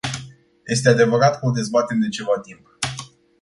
Este adevărat că o dezbatem de ceva timp.